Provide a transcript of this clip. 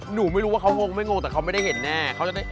หนูไม่รู้ว่าเขางงไม่งงแต่เขาไม่ได้เห็นแน่